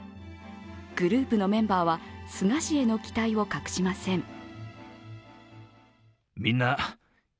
グループのメンバーは菅氏への期待を隠しません。